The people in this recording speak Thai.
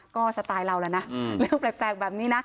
ก็สไตล์เราแล้วนะเรื่องแปลกแบบนี้นะ